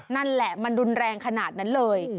นั่นแหละมันรุนแรงขนาดนั้นเลย